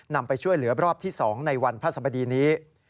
นำไปช่วยเหลือรอบที่๒ในวันพระสบดีนี้